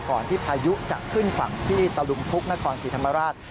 ก่อนที่พายุจะขึ้นฝั่งที่ตะลุมพุกนครศรีธรรมราช